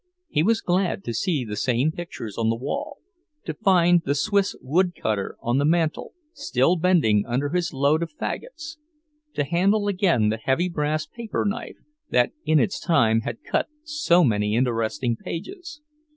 He was glad to see the same pictures on the wall; to find the Swiss wood cutter on the mantel, still bending under his load of faggots; to handle again the heavy brass paper knife that in its time had cut so many interesting pages.